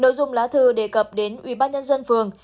nội dung lá thư đề cập đến ubnd phường